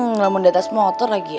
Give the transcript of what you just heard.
ngelamun diatas motor lagi